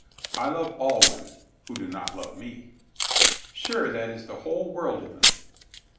"I love all women — who do not love me." "Sure that is the whole world of them!"